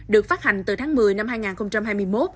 được phát hành từ tháng một mươi năm hai nghìn hai mươi một